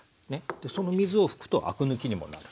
その水を拭くとアク抜きにもなる。